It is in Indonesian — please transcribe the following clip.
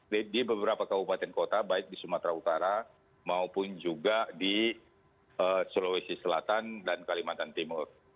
di beberapa kabupaten kota baik di sumatera utara maupun juga di sulawesi selatan dan kalimantan timur